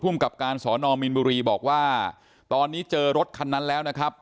กับการสอนอมมีนบุรีบอกว่าตอนนี้เจอรถคันนั้นแล้วนะครับ